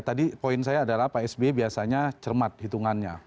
tadi poin saya adalah pak sby biasanya cermat hitungannya